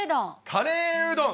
カレーうどん。